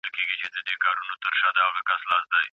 هغې وویل چې زه خپل درسونه وایم.